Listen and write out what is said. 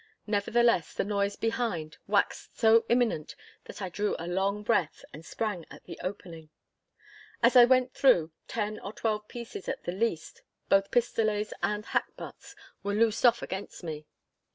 Nevertheless, the noise behind waxed so imminent that I drew a long breath, and sprang at the opening. As I went through, ten or twelve pieces at the least, both pistolets and hackbutts, were loosed off against me.